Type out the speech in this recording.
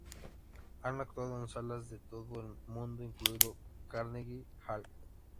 Han actuado en salas de todo el mundo, incluido el Carnegie Hall.